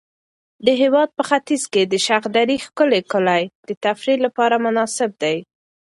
د هېواد په ختیځ کې د شخدرې ښکلي کلي د تفریح لپاره مناسب دي.